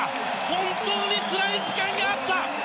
本当につらい時間があった。